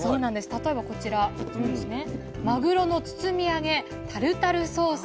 例えばこちらマグロの包み揚げタルタルソース。